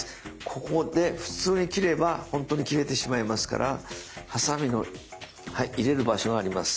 ここで普通に切れば本当に切れてしまいますからはさみの入れる場所があります。